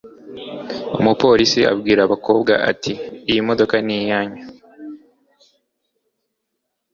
umupolisi abwira abakobwa ati iyi modoka ni iyanyu